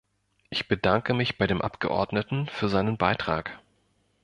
Ich bedanke mich bei dem Abgeordneten für seinen Beitrag.